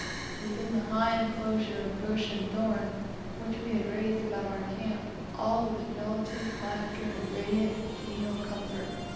Within the high inclosure of bush and thorn, which we had raised around our camp, all was jollity, laughter, and radiant, genial comfort.